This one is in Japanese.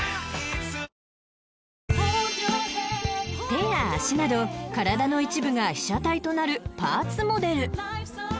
［手や脚など体の一部が被写体となるパーツモデル］